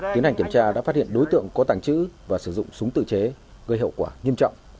tiến hành kiểm tra đã phát hiện đối tượng có tàng trữ và sử dụng súng tự chế gây hậu quả nghiêm trọng